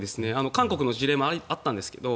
韓国の事例もあったんですけど